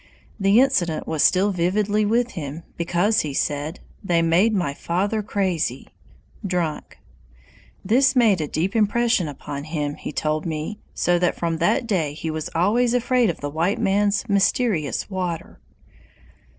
The incident was still vividly with him, because, he said, "They made my father crazy," [drunk]. This made a deep impression upon him, he told me, so that from that day he was always afraid of the white man's "mysterious water."